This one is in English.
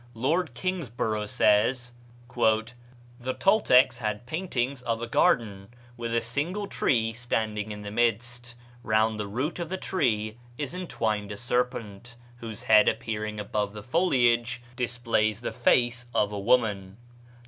Lord Kingsborough says: "The Toltecs had paintings of a garden, with a single tree standing in the midst; round the root of the tree is entwined a serpent, whose head appearing above the foliage displays the face of a woman.